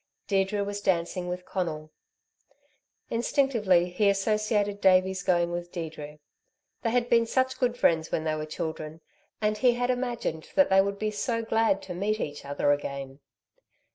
Deirdre was dancing with Conal. Instinctively he associated Davey's going with Deirdre. They had been such good friends when they were children, and he had imagined that they would be so glad to meet each other again.